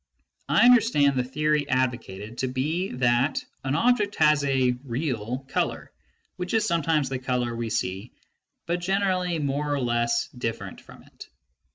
I understand the theory advocated to be that an object has a " real " colour, which is sometimes the colour we see, but generally more or less different from it.